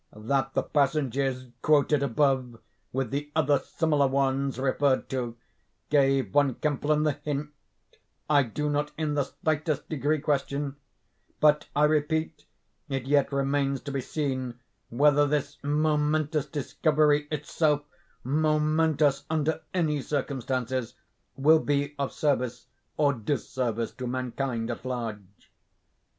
That the passages quoted above, with the other similar ones referred to, gave Von Kempelen the hint, I do not in the slightest degree question; but I repeat, it yet remains to be seen whether this momentous discovery itself (momentous under any circumstances) will be of service or disservice to mankind at large.